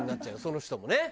その人もね。